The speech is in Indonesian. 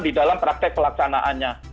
di dalam praktek pelaksanaannya